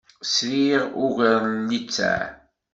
Sriɣ ugar n littseɛ.